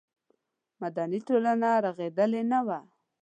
مدني ټولنه رغېدلې نه وه.